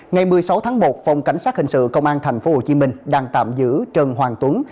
ngày một mươi sáu tháng một phòng cảnh sát hình sự công an tp hcm đang tạm giữ trần hoàng tuấn